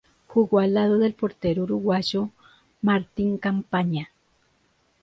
Jugó al lado del portero uruguayo Martín Campaña.